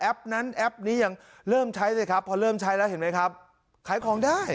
นั้นแอปนี้ยังเริ่มใช้สิครับพอเริ่มใช้แล้วเห็นไหมครับขายของได้